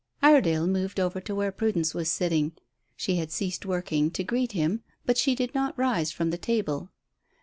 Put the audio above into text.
Iredale moved over to where Prudence was sitting She had ceased work to greet him, but she did not rise from the table.